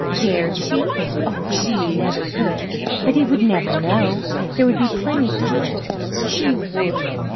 Dared she? Oh, she never could! But he would never know there would be plenty of time she would!